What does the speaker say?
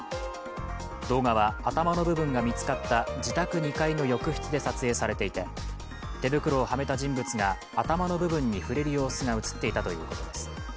動画は頭の部分が見つかった自宅２階の浴室で撮影されていて手袋をはめた人物が頭の部分に触れる様子が映っていたということです。